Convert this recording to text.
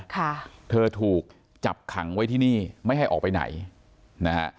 ค่ะเธอถูกจับขังไว้ที่นี่ไม่ให้ออกไปไหนนะฮะ